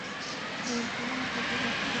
আমি তোমার সাথে কথা বলতে পারি?